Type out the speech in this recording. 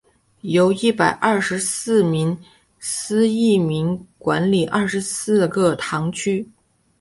由一百廿四名司铎名管理廿四个堂区。